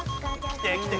来て！